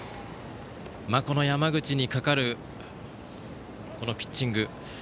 この山口にかかるピッチング。